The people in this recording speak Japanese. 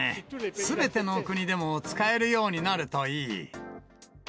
すべての国でも使えるようになるといい。